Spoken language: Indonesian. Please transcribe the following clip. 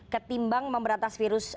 ketimbang memberantas virus